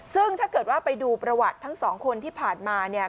ซึ่งถ้าเกิดว่าไปดูประวัติทั้งสองคนที่ผ่านมาเนี่ย